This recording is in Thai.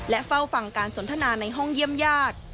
และเฝ้าฝั่งการสนทนาในห้องเยี่ยมยาคด์